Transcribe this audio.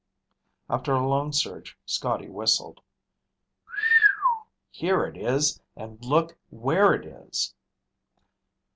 After a long search, Scotty whistled. "Here it is. And look where it is!"